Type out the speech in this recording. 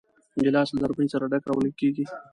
ګیلاس له نرمۍ سره ډک راوړل کېږي.